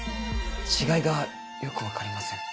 違いがよく分かりません。